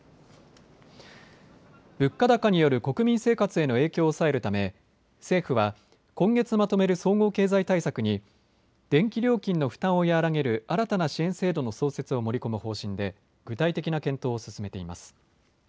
物価高による国民生活への影響を抑えるため政府は今月まとめる総合経済対策に電気料金の負担を和らげる新たな支援制度の創設を盛り込む方針で具体的な検討を進めています。